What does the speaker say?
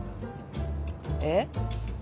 えっ？